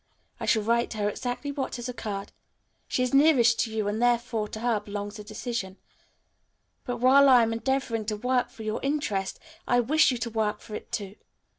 I shall write to her exactly what has occurred. She is nearest to you and therefore to her belongs the decision. But, while I am endeavoring to work for your interest I wish you to work for it, too.